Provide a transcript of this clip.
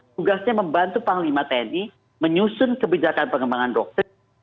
tugasnya membantu panglima tni menyusun kebijakan pengembangan doktrin